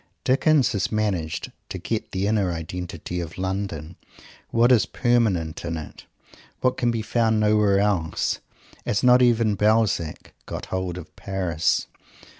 Dickens has managed to get the inner identity of London; what is permanent in it; what can be found nowhere else; as not even Balzac got hold of Paris.